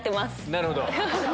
なるほど。